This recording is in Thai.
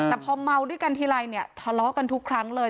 แต่พอเมาด้วยกันทีไรเนี่ยทะเลาะกันทุกครั้งเลย